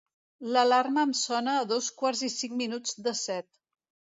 L'alarma em sona a dos quarts i cinc minuts de set.